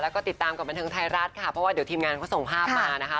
แล้วก็ติดตามกับบันเทิงไทยรัฐค่ะเพราะว่าเดี๋ยวทีมงานเขาส่งภาพมานะคะ